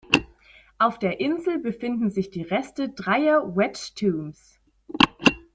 Auf der Insel befinden sich die Reste dreier Wedge tombs.